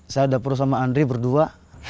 saya ada perut sama andri berdua